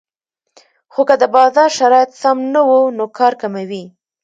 خو که د بازار شرایط سم نه وو نو کار کموي